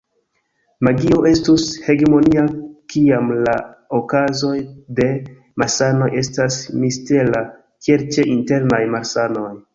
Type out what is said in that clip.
Magio estus hegemonia kiam la okazoj de malsanoj estas mistera, kiel ĉe internaj malsanoj.